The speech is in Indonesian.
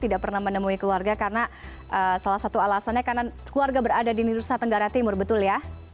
tidak pernah menemui keluarga karena salah satu alasannya karena keluarga berada di nusa tenggara timur betul ya